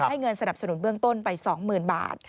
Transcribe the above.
ให้เงินสนับสนุนเบื้องต้นไป๒หมื่นบาท